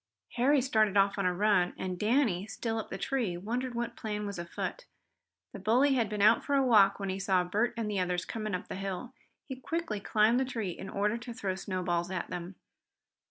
Harry started off on a run, and Danny, still up the tree, wondered what plan was afoot. The bully had been out for a walk when he saw Bert and the others coming up the hill. He quickly climbed the tree in order to throw snowballs at them.